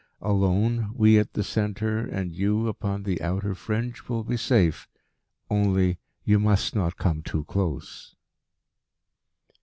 Alone, we at the centre, and you, upon the outer fringe, will be safe. Only you must not come too close."